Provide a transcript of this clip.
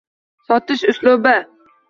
Sotish uslubi